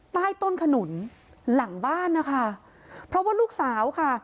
ใต้ต้นขนุนหลังบ้านนะคะเพราะว่าลูกสาวค่ะ